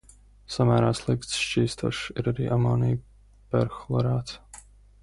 Samērā slikti šķīstošs ir arī amonija perhlorāts.